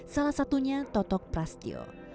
salah satunya totok prastyo